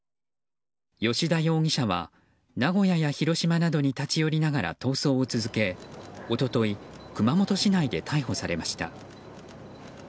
葭田容疑者は名古屋や広島などに立ち寄りながら逃走を続け、一昨日熊本市内で逮捕されました。